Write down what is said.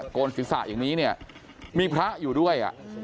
โกนศิษย์ศาสตร์อย่างนี้มีพระอยู่ด้วย